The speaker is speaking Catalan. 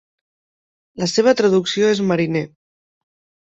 La seva traducció és "mariner".